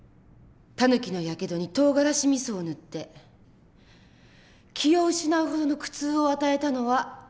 タヌキのやけどにとうがらしみそを塗って気を失うほどの苦痛を与えたのはあなたですね？